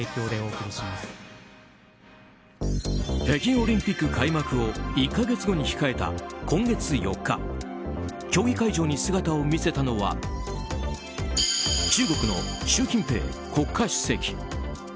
北京オリンピック開幕を１か月後に控えた今月４日競技会場に姿を見せたのは中国の習近平国家主席。